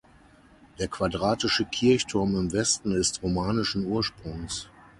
Der quadratische Kirchturm im Westen ist romanischen Ursprungs.